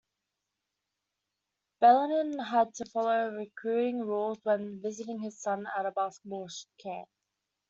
Beilein had to follow recruiting rules when visiting his son at a basketball camp.